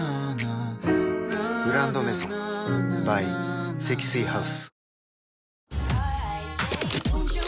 「グランドメゾン」ｂｙ 積水ハウス